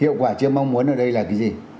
hiệu quả chưa mong muốn ở đây là cái gì